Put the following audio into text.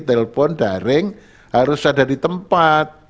telepon daring harus ada di tempat